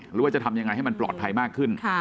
หรือว่าจะทำยังไงให้มันปลอดภัยมากขึ้น